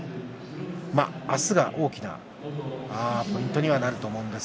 明日が大きなポイントにはなると思います。